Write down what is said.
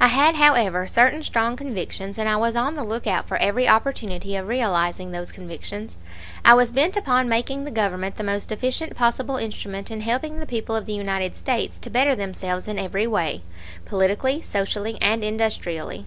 I had, however, certain strong convictions; and I was on the lookout for every opportunity of realizing those convictions. I was bent upon making the Government the most efficient possible instrument in helping the people of the United States to better themselves in every way, politically, socially, and industrially.